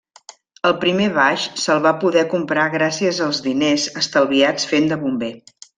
El primer baix se'l va poder comprar gràcies als diners estalviats fent de bomber.